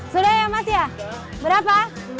sudah ya mas ya berapa